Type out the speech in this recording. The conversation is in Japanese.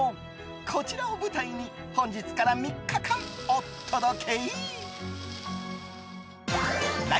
こちらを舞台に本日から３日間お届け！